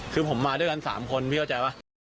คือผมมาด้วยกัน๓คนพี่เข้าใจป่ะ